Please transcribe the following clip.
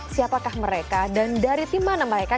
siapakah mereka dan dari tim mana mereka